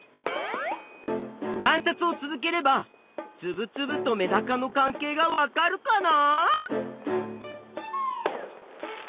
観察を続ければつぶつぶとメダカの関係がわかるかな？